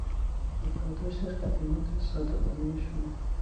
به پاداش خدمات صادقانهی شما...